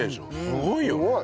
すごいよね。